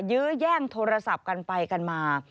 ยื้อแย่งโทรศัพท์กันไปกันมา